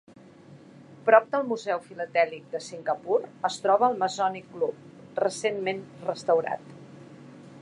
Prop del Museu Filatèlic de Singapur es troba el Masonic Club, recentment restaurat.